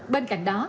bên cạnh đó